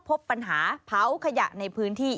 พบปัญหาเผาขยะในพื้นที่